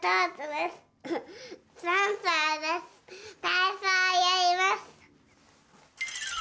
たいそうやります。